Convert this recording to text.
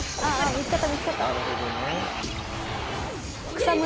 見つかった。